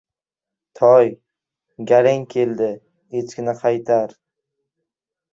— Toy! Galing keldi, echkini qaytar!